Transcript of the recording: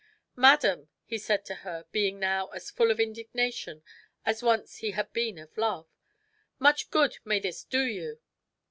"Madam," he said to her, being now as full of indignation as once he had been of love, "much good may this do you!